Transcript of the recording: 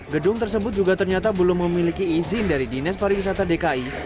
gedung tersebut juga ternyata belum memiliki izin dari dinas pariwisata dki